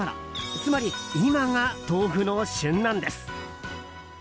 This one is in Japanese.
つまり今が豆腐の旬なんです。